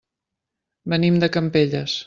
Venim de Campelles.